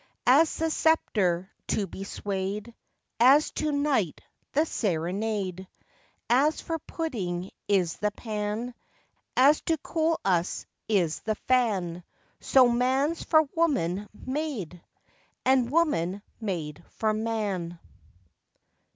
As the sceptre to be sway'd, As to night the serenade, As for pudding is the pan, As to cool us is the fan, So man's for woman made, And woman made for man.